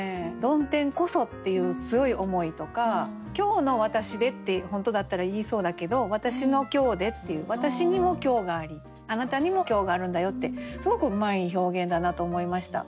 「曇天こそ」っていう強い思いとか「今日の私で」って本当だったら言いそうだけど「私の今日で」っていう私にも今日がありあなたにも今日があるんだよってすごくうまい表現だなと思いました。